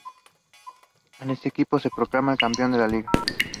The district borders Maryland to the west and New Jersey along the Delaware River.